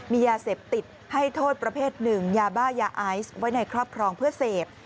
มียาเสพติดให้โทษประเภทหนึ่งยาบ้ายาไอซ์ไว้ในครอบครองเพื่อเสพ